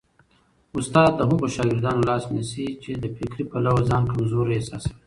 استاد د هغو شاګردانو لاس نیسي چي له فکري پلوه ځان کمزوري احساسوي.